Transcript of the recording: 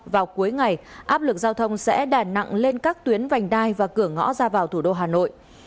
vào cuối ngày áp lực giao thông sẽ đà nặng lên các tuyến vành đai và cửa ngõ ra vào thủ đô hà nội